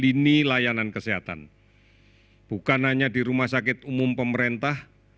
lini layanan kesehatan bukan hanya di rumah sakit umum pemerintah